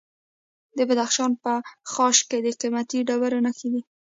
د بدخشان په خاش کې د قیمتي ډبرو نښې دي.